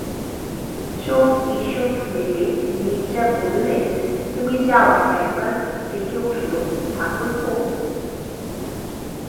চোখ ঈষৎ মেলে নীরজা বললে, তুমি যাও–একবার ডেকে উঠল, ঠাকুরপো!